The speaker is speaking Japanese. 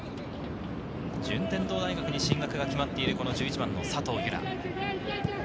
順天堂大学に進学が決まっている、１１番の佐藤由空。